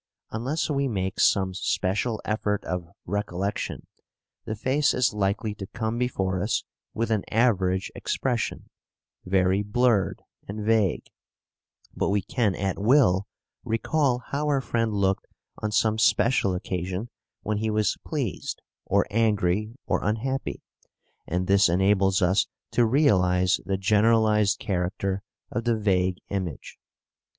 Unless we make some special effort of recollection, the face is likely to come before us with an average expression, very blurred and vague, but we can at will recall how our friend looked on some special occasion when he was pleased or angry or unhappy, and this enables us to realize the generalized character of the vague image.